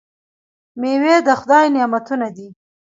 میوې د خدای نعمتونه دي.